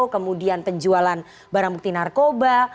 kemudian penjualan barang bukti narkoba